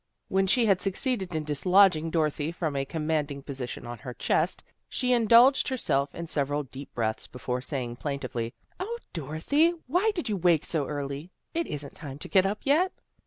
When she had succeeded in dislodging Dorothy from a commanding position on her chest, she indulged herself in several deep breaths before saying plaintively, " 0, Dorothy, why did you wake so early? It isn't time to get up yet."